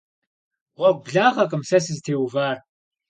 Гъуэгу благъэкъым сэ сызытеувар.